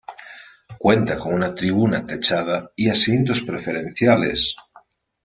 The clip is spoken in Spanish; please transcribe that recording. Cuenta con una tribuna techada y asientos preferenciales.